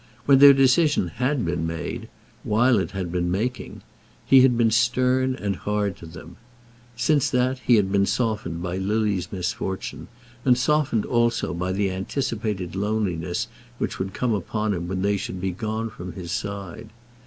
When their decision had been made, while it had been making, he had been stern and hard to them. Since that he had been softened by Lily's misfortune, and softened also by the anticipated loneliness which would come upon him when they should be gone from his side.